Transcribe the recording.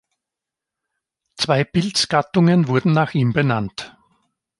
Zwei Pilz-Gattungen wurden nach ihm benannt.